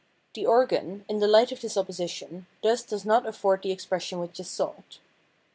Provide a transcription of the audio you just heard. The organ, in the light of this opposition, thus does not afiord the expression which is sought.